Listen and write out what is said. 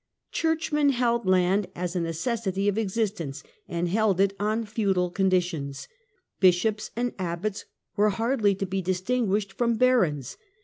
Churchmen held land as a neces sity of existence, and held it on feudal conditions. Bishops and abbots were hardly to be distinguished from barons.